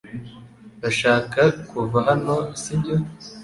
Urashaka kuva hano, sibyo?